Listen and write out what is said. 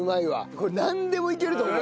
これなんでもいけると思う。